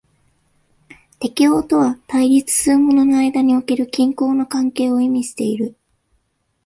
適応とは対立するものの間における均衡の関係を意味している。